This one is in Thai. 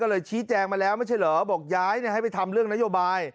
ก็เลยชี้แจงมาแล้วไม่ใช่เหรอบอกย้ายให้ไปทำเรื่องนโยบาย